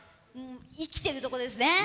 生きてるとこですね。